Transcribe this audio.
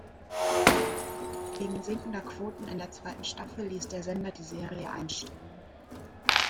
Wegen sinkender Quoten in der zweiten Staffel ließ der Sender die Serie einstellen.